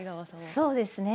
そうですね。